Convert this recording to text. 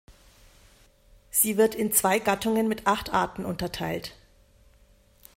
Sie wird in zwei Gattungen mit acht Arten unterteilt.